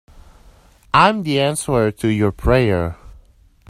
I'm the answer to your prayer.